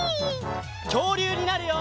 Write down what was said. きょうりゅうになるよ！